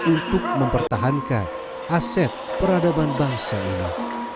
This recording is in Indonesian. untuk mempertahankan aset peradaban bangsa ini